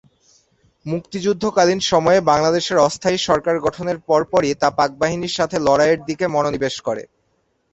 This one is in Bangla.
মুক্তিযুদ্ধকালীন সময়ে বাংলাদেশের অস্থায়ী সরকার গঠনের পরপরই তা পাকবাহিনীর সাথে লড়াইয়ের দিকে মনোনিবেশ করে।